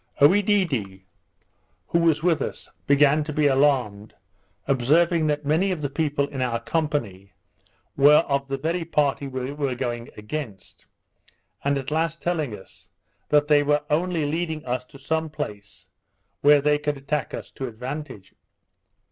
Oedidee, who was with us, began to be alarmed, observing that many of the people in our company were of the very party we were going against, and at last telling us, that they were only leading us to some place where they could attack us to advantage.